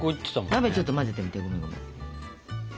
鍋ちょっと混ぜてみてごめんごめん。